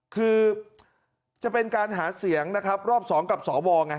คือจะเป็นการหาเสียงรอบ๒กับสอวอลไง